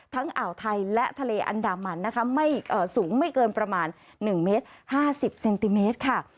อ่าวไทยและทะเลอันดามันนะคะไม่สูงไม่เกินประมาณ๑เมตร๕๐เซนติเมตรค่ะ